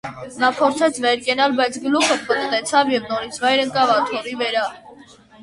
Նա փորձեց վեր կենալ, բայց գլուխը պտտվեցավ և նորից վայր ընկավ աթոռի վերա: